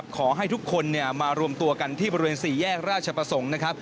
ขอให้ทุกคนมารวมตัวกันที่บริเวณ๔แยกราชประสงค์นะครับ